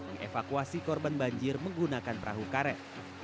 mengevakuasi korban banjir menggunakan perahu karet